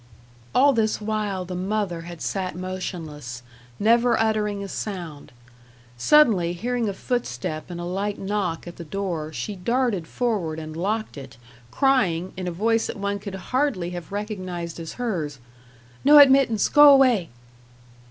All this while the mother had sat motionless, never uttering a sound. Suddenly, hearing a footstep and a light knock at the door, she darted forward and locked it, crying, in a voice that one could hardly have recognized as hers "No admittance! Go away."